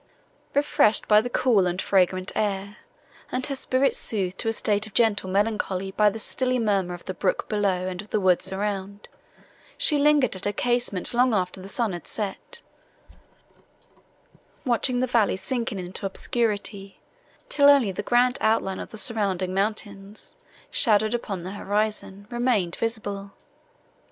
Refreshed by the cool and fragrant air, and her spirits soothed to a state of gentle melancholy by the still murmur of the brook below and of the woods around, she lingered at her casement long after the sun had set, watching the valley sinking into obscurity, till only the grand outline of the surrounding mountains, shadowed upon the horizon, remained visible.